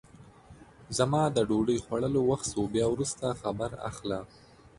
زما د ډوډۍ خوړلو وخت سو بیا وروسته خبر اخله!